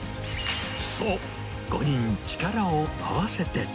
そう、５人力を合わせて。